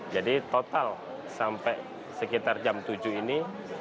jadi total sampai sekitar jam tujuh ini